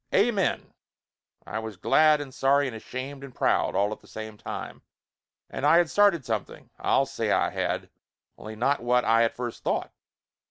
Amen ! I was glad and sorry and ashamed and proud, all at the same time. And I had started something. I'll say I had ! Only not what I at first thought.